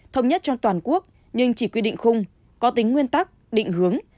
thông nhất cho toàn quốc nhưng chỉ quy định khung có tính nguyên tắc định hướng